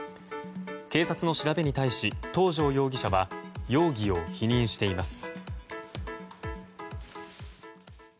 警察の調べに対し東條容疑者は容疑を否認しています。